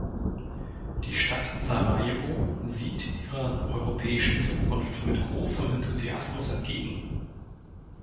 Die Stadt Sarajevo sieht ihrer europäischen Zukunft mit großem Enthusiasmus entgegen.